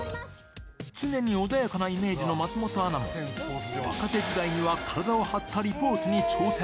常に穏やかなイメージの松本アナも、若手時代には体を張ったリポートに挑戦。